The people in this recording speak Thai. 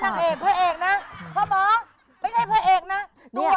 พ่อหมอไม่ใช่เพราะเอกนะ